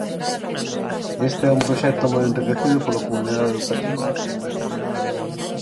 Este é un proxecto moi enriquecido pola comunidade educativa e moi apoiado.